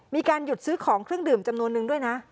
มีการหยุดซื้อของเครื่องดื่มจำนวนนึงด้วยนะ